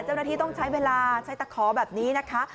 เจ้าหน้าที่ต้องใช้เวลาใช้ตะขอแบบนี้นะคะ